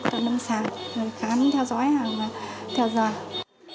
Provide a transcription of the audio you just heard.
tôi nâng sàng khán theo dõi và theo dõi